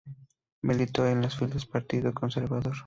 Militó en las filas del Partido Conservador.